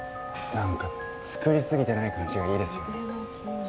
なんか作りすぎてない感じがいいですよね。